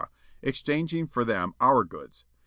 exchanging for them our goods.